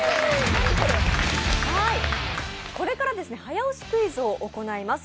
これから早押しクイズを行います。